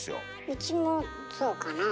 うちもそうかなあ。